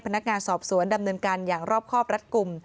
พนักงานสอบสวนดำเนินการอย่างรอบครอบรัดกลุ่ม